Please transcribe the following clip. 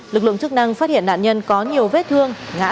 lực lượng chức năng phát hiện nạn nhân có nhiều vết thương ngã